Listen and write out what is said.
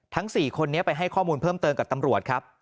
๔คนนี้ไปให้ข้อมูลเพิ่มเติมกับตำรวจครับ